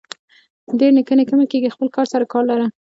ډير نيکه نيکه مه کيږه خپل کار سره کار لره.